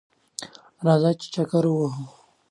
راځه ! چې چکر ووهو